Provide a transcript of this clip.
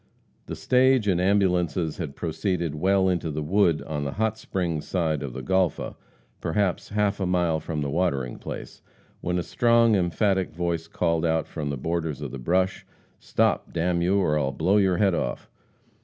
The stage and ambulances had proceeded well into the wood on the Hot Springs side of the Golpha, perhaps half a mile from "the watering place," when a strong, emphatic voice called out from the borders of the brush: "Stop! d n you, or I'll blow your head off!"